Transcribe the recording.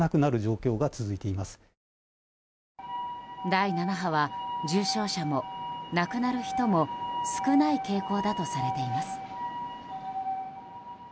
第７波は重症者も亡くなる人も少ない傾向だとされています。